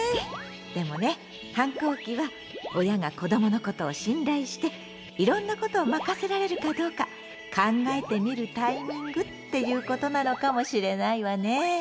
でもね反抗期は親が子どものことを信頼していろんなことを任せられるかどうか考えてみるタイミングっていうことなのかもしれないわね！